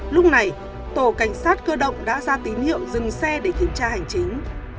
lúc này tổ cảnh sát cơ động đã ra tín hiệu dừng xe để kiểm tra hành chính